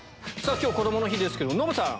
今日こどもの日ですけどノブさん